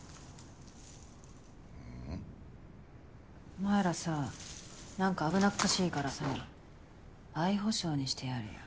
お前らさなんか危なっかしいからさ相保証にしてやるよ。